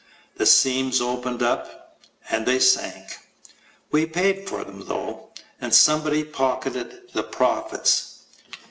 The seams opened up and they sank. We paid for them, though. And somebody pocketed the profits.